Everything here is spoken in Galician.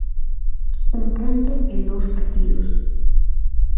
Un punto en dous partidos.